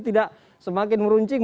tidak semakin meruncing